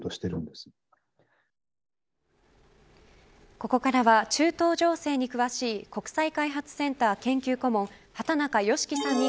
ここからは中東情勢に詳しい国際開発センター研究顧問畑中美樹さんに